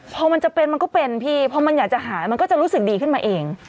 พอมันจะเป็นมันก็เป็นพี่พอมันอยากจะหายมันก็จะรู้สึกดีขึ้นมาเอง